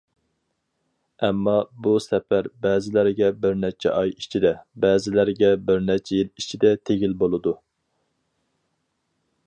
ئەمما بۇ سەپەر بەزىلەرگە بىر نەچچە ئاي ئىچىدە، بەزىلەرگە بىر نەچچە يىل ئىچىدە تېگىل بولىدۇ.